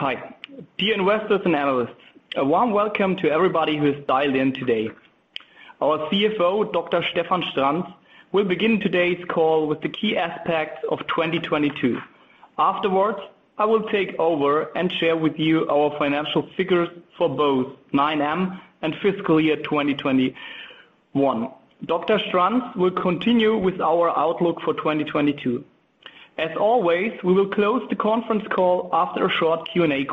Hi. Dear investors and analysts, a warm welcome to everybody who has dialed in today. Our CFO, Dr. Stefan Stranz, will begin today's call with the key aspects of 2022. Afterwards, I will take over and share with you our financial figures for both 9M and fiscal year 2021. Dr. Stranz will continue with our outlook for 2022. As always, we will close the conference call after a short Q&A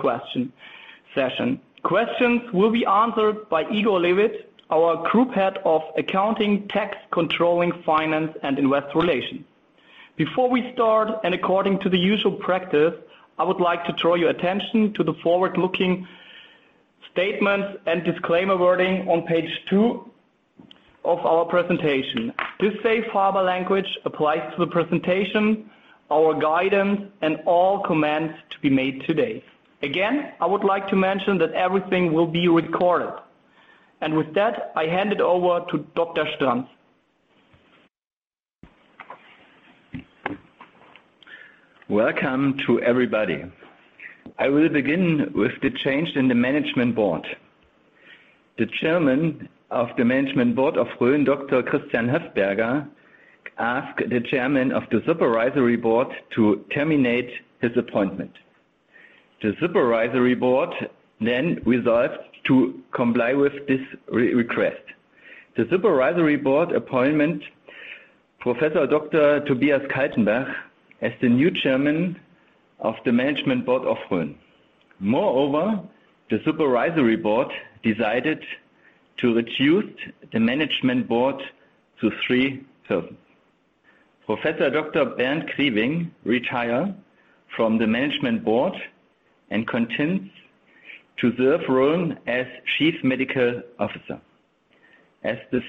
session. Questions will be answered by Igor Levit, our Group Head of Accounting, Tax, Controlling, Finance and Investor Relations. Before we start, and according to the usual practice, I would like to draw your attention to the forward-looking statements and disclaimer wording on page two of our presentation. This safe harbor language applies to the presentation, our guidance and all comments to be made today. Again, I would like to mention that everything will be recorded. With that, I hand it over to Dr. Stranz. Welcome to everybody. I will begin with the change in the management board. The chairman of the management board of RHÖN, Dr. Christian Höftberger, asked the chairman of the supervisory board to terminate his appointment. The supervisory board then resolved to comply with this request. The supervisory board appointed Professor Dr. Tobias Kaltenbach as the new chairman of the management board of RHÖN. Moreover, the supervisory board decided to reduce the management board to three persons. Professor Dr. Bernd Griewing retires from the management board and continues to serve RHÖN as Chief Medical Officer. As of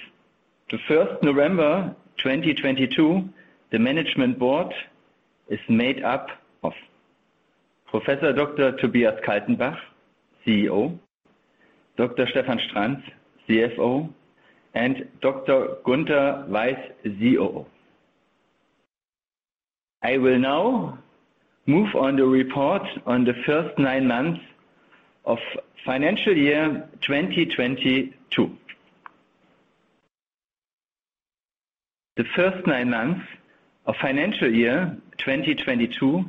the November 1st, 2022, the management board is made up of Professor Dr. Tobias Kaltenbach, CEO, Dr. Stefan Stranz, CFO, and Gunther K. Weiß, COO. I will now move on to the report on the first nine months of financial year 2022. The first nine months of financial year 2022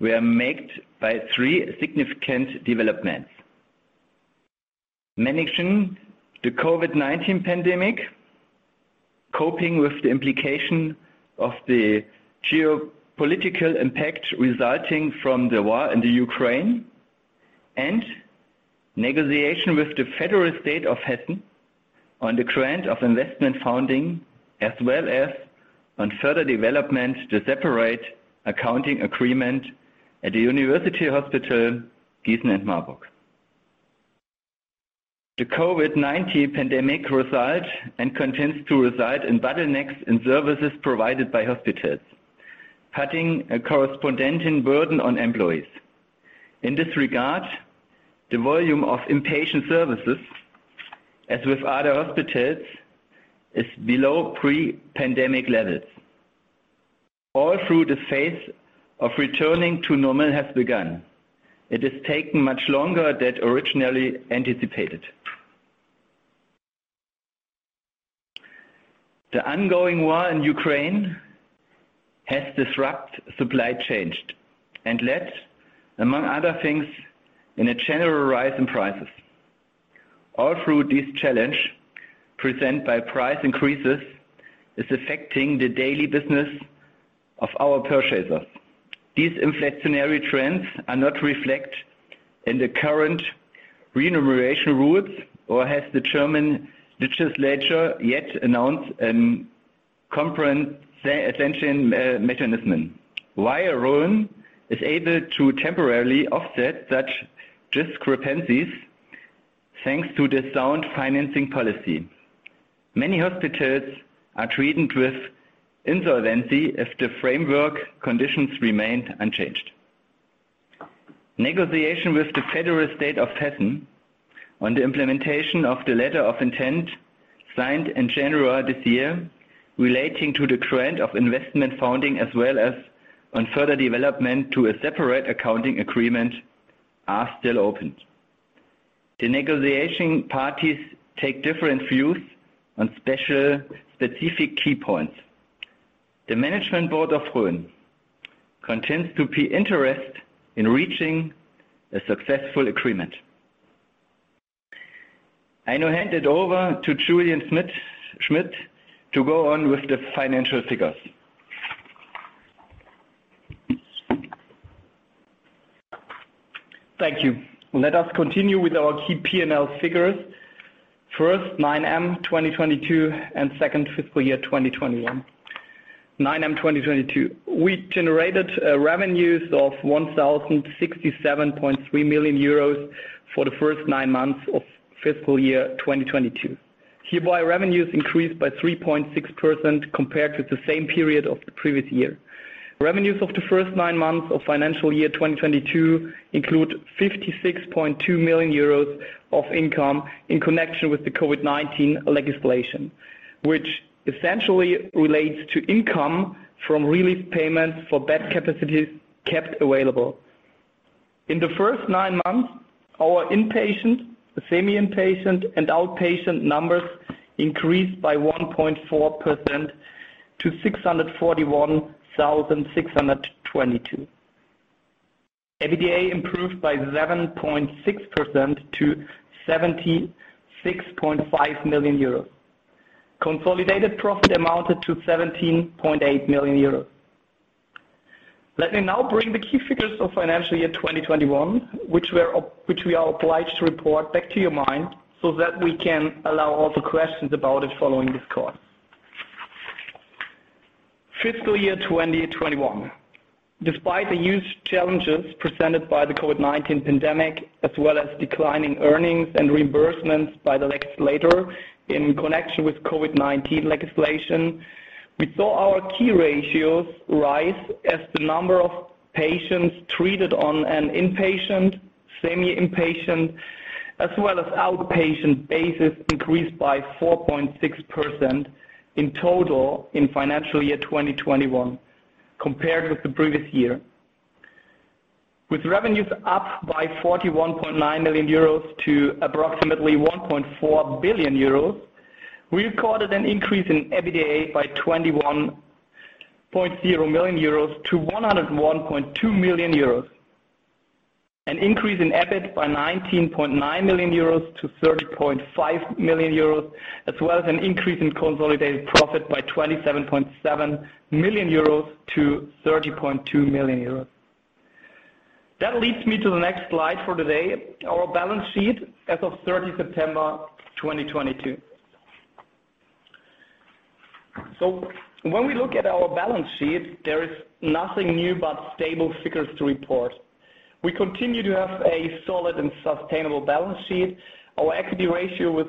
were marked by three significant developments: managing the COVID-19 pandemic, coping with the implications of the geopolitical impact resulting from the war in Ukraine, and negotiations with the federal state of Hessen on the grant of investment funding, as well as on further development of the separate accounting agreement at the University Hospital Gießen and Marburg. The COVID-19 pandemic results and continues to result in bottlenecks in services provided by hospitals, putting a corresponding burden on employees. In this regard, the volume of inpatient services, as with other hospitals, is below pre-pandemic levels. Although the phase of returning to normal has begun. It has taken much longer than originally anticipated. The ongoing war in Ukraine has disrupted supply chains and led, among other things, to a general rise in prices. Throughout this challenge presented by price increases is affecting the daily business of our purchasers. These inflationary trends are not reflected in the current remuneration rules, nor has the German legislature yet announced a comprehensive compensation mechanism. While RHÖN is able to temporarily offset such discrepancies, thanks to the sound financial policy, many hospitals are threatened with insolvency if the framework conditions remain unchanged. Negotiations with the federal state of Hessen on the implementation of the letter of intent signed in January this year, relating to the grant of investment funding, as well as on further development of a separate accounting agreement, are still open. The negotiation parties take different views on several specific key points. The management board of RHÖN continues to be interested in reaching a successful agreement. I now hand it over to Julian Schmitt to go on with the financial figures. Thank you. Let us continue with our key P&L figures. First, 9M 2022 and second fiscal year, 2021. 9M 2022, we generated revenues of 1,067.3 million euros for the first nine months of fiscal year 2022. Hereby, revenues increased by 3.6% compared to the same period of the previous year. Revenues of the first nine months of fiscal year 2022 include 56.2 million euros of income in connection with the COVID-19 legislation, which essentially relates to income from relief payments for bed capacities kept available. In the first nine months, our inpatient, semi-inpatient, and outpatient numbers increased by 1.4% to 641,622. EBITDA improved by 7.6% to 76.5 million euros. Consolidated profit amounted to 17.8 million euros. Let me now bring the key figures of financial year 2021 back to your mind so that we can answer all the questions about it following this call. Fiscal year 2021. Despite the huge challenges presented by the COVID-19 pandemic, as well as declining earnings and reimbursements by the legislator in connection with COVID-19 legislation, we saw our key ratios rise as the number of patients treated on an inpatient, semi-inpatient, as well as outpatient basis increased by 4.6% in total in financial year 2021 compared with the previous year. With revenues up by 41.9 million euros to approximately 1.4 billion euros, we recorded an increase in EBITDA by 21.0 million-101.2 million euros. An increase in EBIT by 19.9 million-30.5 million euros, as well as an increase in consolidated profit by 27.7 million-30.2 million euros. That leads me to the next slide for today, our balance sheet as of 30 September 2022. When we look at our balance sheet, there is nothing new but stable figures to report. We continue to have a solid and sustainable balance sheet. Our equity ratio with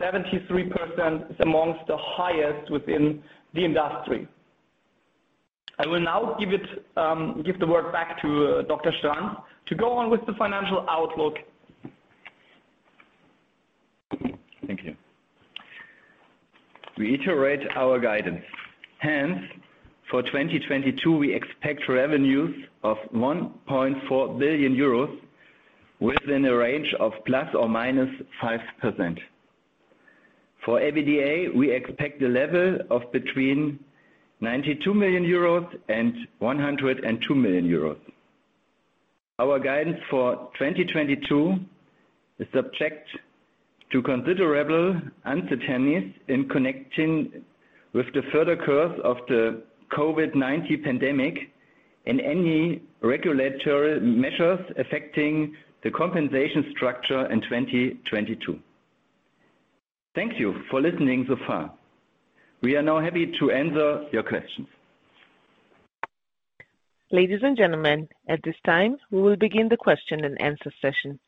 73% is among the highest within the industry. I will now give the word back to Dr. Stranz to go on with the financial outlook. Thank you. We iterate our guidance. Hence, for 2022, we expect revenues of 1.4 billion euros within a range of ±5%. For EBITDA, we expect a level of between 92 million euros and 102 million euros. Our guidance for 2022 is subject to considerable uncertainties in connection with the further course of the COVID-19 pandemic and any regulatory measures affecting the compensation structure in 2022. Thank you for listening so far. We are now happy to answer your questions. Ladies and gentlemen, at this time, we will begin the question-and-answer session.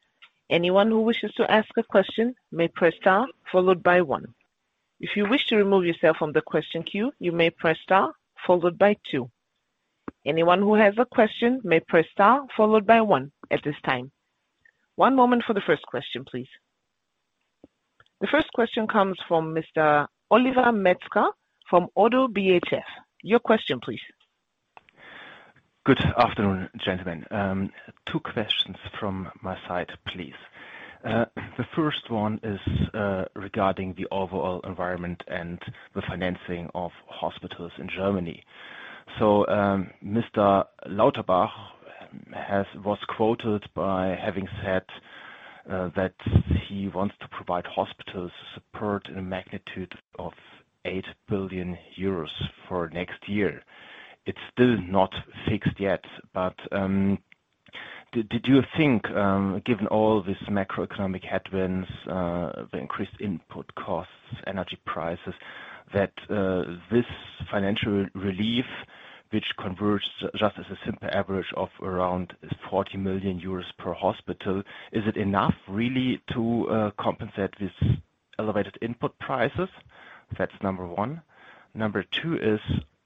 Anyone who wishes to ask a question may press star followed by one. If you wish to remove yourself from the question queue, you may press star followed by two. Anyone who has a question may press star followed by one at this time. One moment for the first question, please. The first question comes from Mr. Oliver Metzger from Oddo BHF. Your question, please. Good afternoon, gentlemen. Two questions from my side, please. The first one is regarding the overall environment and the financing of hospitals in Germany. Mr. Lauterbach was quoted by having said that he wants to provide hospitals support in a magnitude of 8 billion euros for next year. It's still not fixed yet, but did you think, given all this macroeconomic headwinds, the increased input costs, energy prices, that this financial relief which converts just as a simple average of around 40 million euros per hospital, is it enough really to compensate this elevated input prices? That's number one. Number two is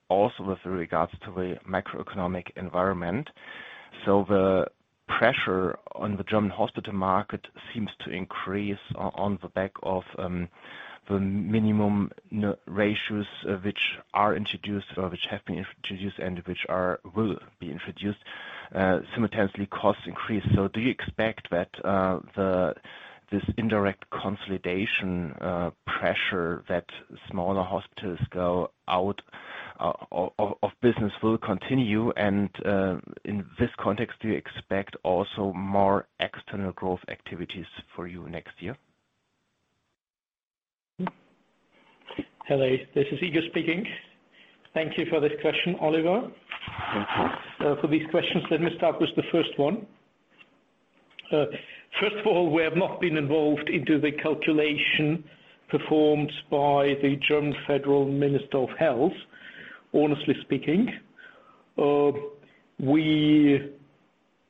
also with regards to the macroeconomic environment. The pressure on the German hospital market seems to increase on the back of the minimum n-ratios which are introduced or which have been introduced and which will be introduced. Simultaneously costs increase. Do you expect that this indirect consolidation pressure that smaller hospitals go out of business will continue? In this context, do you expect also more external growth activities for you next year? Hello, this is Igor speaking. Thank you for this question, Oliver. Thank you. For these questions. Let me start with the first one. First of all, we have not been involved into the calculation performed by the German Federal Minister of Health, honestly speaking. We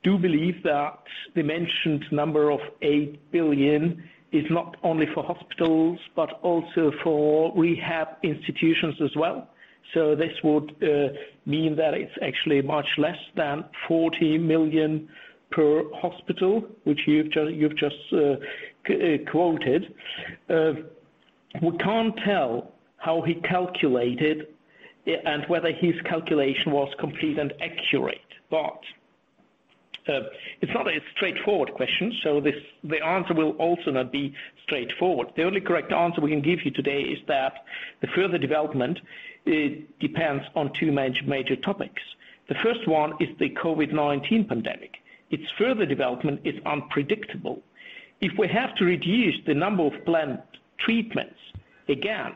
do believe that the mentioned number of 8 billion is not only for hospitals, but also for rehab institutions as well. This would mean that it's actually much less than 40 million per hospital, which you've just quoted. We can't tell how he calculated and whether his calculation was complete and accurate. It's not a straightforward question, so the answer will also not be straightforward. The only correct answer we can give you today is that the further development, it depends on two major topics. The first one is the COVID-19 pandemic. Its further development is unpredictable. If we have to reduce the number of planned treatments again,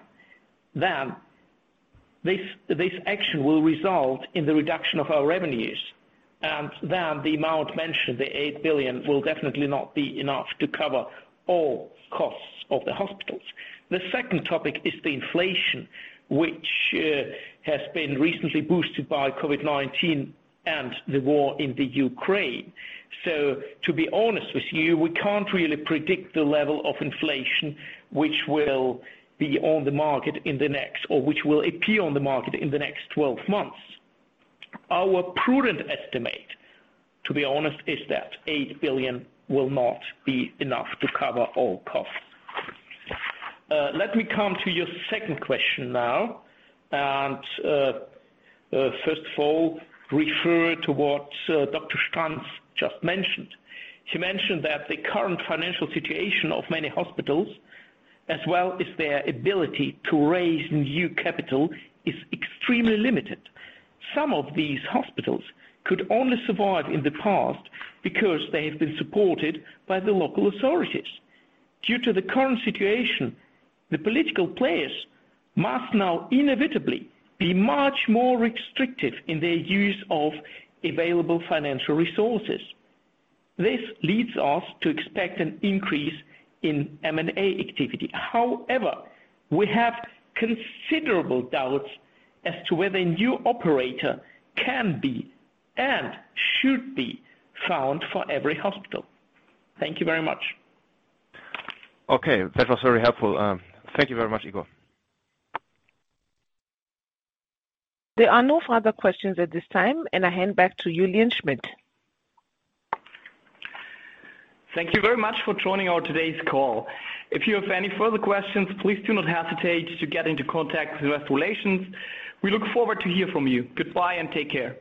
then this action will result in the reduction of our revenues. The amount mentioned, the 8 billion, will definitely not be enough to cover all costs of the hospitals. The second topic is the inflation, which has been recently boosted by COVID-19 and the war in Ukraine. To be honest with you, we can't really predict the level of inflation which will be on the market in the next. Which will appear on the market in the next 12 months. Our prudent estimate, to be honest, is that 8 billion will not be enough to cover all costs. Let me come to your second question now and first of all refer to what Dr. Stranz just mentioned. She mentioned that the current financial situation of many hospitals, as well as their ability to raise new capital, is extremely limited. Some of these hospitals could only survive in the past because they have been supported by the local authorities. Due to the current situation, the political players must now inevitably be much more restrictive in their use of available financial resources. This leads us to expect an increase in M&A activity. However, we have considerable doubts as to whether a new operator can be and should be found for every hospital. Thank you very much. Okay, that was very helpful. Thank you very much, Igor. There are no further questions at this time, and I hand back to you, Julian Schmitt. Thank you very much for joining our today's call. If you have any further questions, please do not hesitate to get into contact with investor relations. We look forward to hear from you. Goodbye and take care.